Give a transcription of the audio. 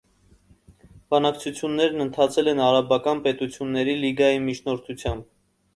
Բանակցություններն ընթացել են արաբական պետությունների լիգայի միջնորդությամբ։